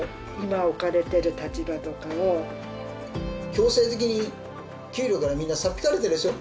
強制的に給料からみんなさっ引かれてるでしょ？